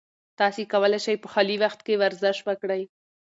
تاسي کولای شئ په خالي وخت کې ورزش وکړئ.